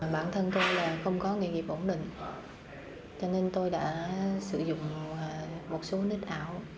bản thân tôi là không có nghề nghiệp ổn định cho nên tôi đã sử dụng một số nít ảo